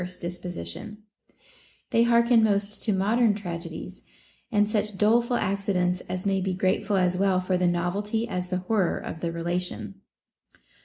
432 OF INQUISITIVENESS disposition ; they hearken most to modern tragedies, and such doleful accidents as may be grateful as well for the novelty as the horror of the relation.